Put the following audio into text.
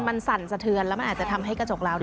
มันสั่นสะเทือนแล้วมันอาจจะทำให้กระจกเรา